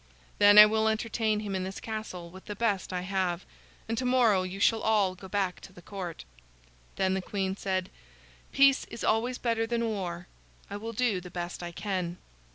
Then I will entertain him in this castle with the best I have, and to morrow you shall all go back to the court." Then the queen said: "Peace is always better than war. I will do the best I can."